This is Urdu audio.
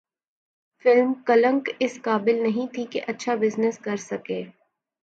فلم کلنک اس قابل نہیں تھی کہ اچھا بزنس کرسکے